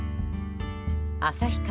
旭川